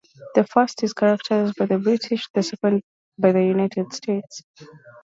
The first is characterised by the British, the second by the United States.